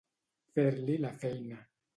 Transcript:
Fer-li la feina.